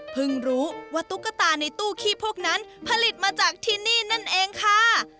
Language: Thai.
รู้ว่าตุ๊กตาในตู้ขี้พวกนั้นผลิตมาจากที่นี่นั่นเองค่ะ